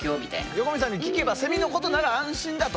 横見さんに聞けばセミのことなら安心だと。